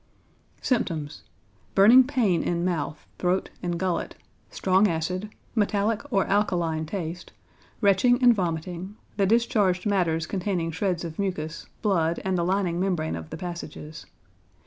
Symptoms. Burning pain in mouth, throat, and gullet, strong acid, metallic or alkaline taste; retching and vomiting, the discharged matters containing shreds of mucus, blood, and the lining membrane of the passages.